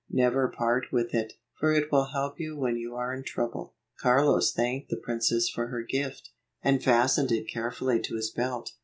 Never part with it, for it will help you when you are in trouble." Carlos thanked the princess for her gift, and fastened it carefully to his belt.